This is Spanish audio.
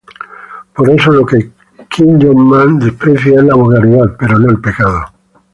Por eso lo que Kim Yong-man desprecia es la vulgaridad, pero no el pecado.